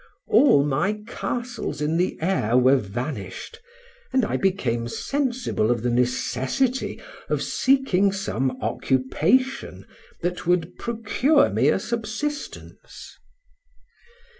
All my castles in the air were vanished, and I became sensible of the necessity of seeking some occupation that would procure me a subsistence.